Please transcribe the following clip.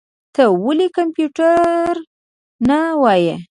ته ولي کمپيوټر نه وايې؟